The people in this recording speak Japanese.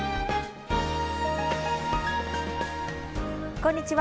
こんにちは。